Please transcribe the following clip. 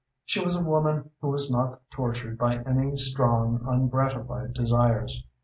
She was a woman who was not tortured by any strong, ungratified desires.